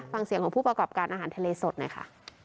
ฟังเสียงของผู้ประกอบการอาหารทะเลสดหน่อยค่ะ